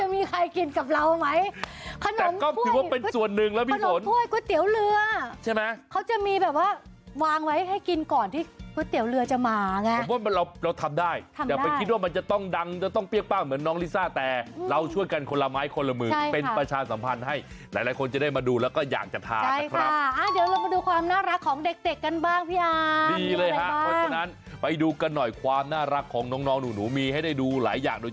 มีแบบว่าวางไว้ให้กินก่อนที่ข้อเตี๋ยวเรือจะมาไงผมว่าเราทำได้ทำได้แต่ไม่คิดว่ามันจะต้องดังจะต้องเปรี้ยกป้างเหมือนน้องลิซ่าแต่เราช่วยกันคนละไม้คนละหมื่นใช่ค่ะเป็นประชาสัมพันธ์ให้หลายคนจะได้มาดูแล้วก็อยากจะทานนะครับใช่ค่ะอ้าเดี๋ยวเรามาดูความน่ารักของเด็กกันบ้างพี่อ